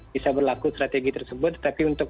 bisa berlaku strategi tersebut tapi untuk